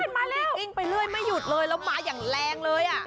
วิ่งไปเรื่อยไม่หยุดเลยแล้วมาอย่างแรงเลยอ่ะ